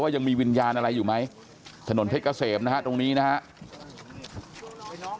ยังมีวิญญาณอะไรอยู่ไหมถนนเพชรเกษมนะฮะตรงนี้นะครับ